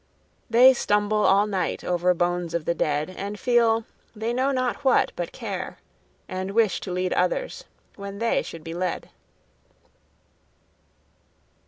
They stumble all night over bones of the dead; And feel—they know not what but care; And wish to lead others, when they should be led.